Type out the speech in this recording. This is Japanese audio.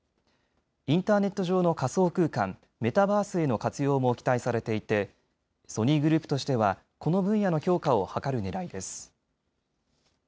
インターネット上の仮想空間メタバースへの活用も期待されていてソニーグループとしてはこの分野の強化を図るねらいです。